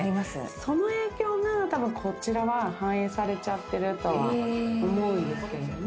その影響が、こちらは反映されちゃってるとは思うんですけども。